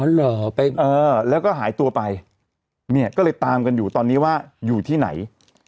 เหรอแล้วก็หายตัวไปเนี่ยก็เลยตามกันอยู่ตอนนี้ว่าอยู่ที่ไหน